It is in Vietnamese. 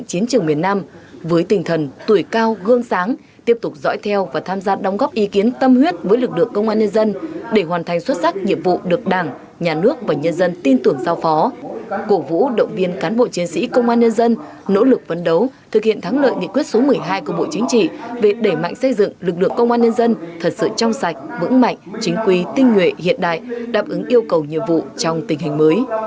cổ vũ động viên cán bộ chiến sĩ công an nhân dân nỗ lực vấn đấu thực hiện thắng lợi nghị quyết số một mươi hai của bộ chính trị về để mạnh xây dựng lực lượng công an nhân dân thật sự trong sạch vững mạnh chính quy tinh nguyện hiện đại đáp ứng yêu cầu nhiệm vụ trong tình hình mới